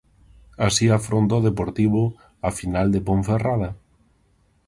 Así afronta o Deportivo a final de Ponferrada.